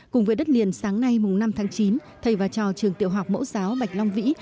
cùng với đất liền sáng nay mùng năm tháng chín thầy và trò trường tiểu học mẫu giáo bạch long vĩ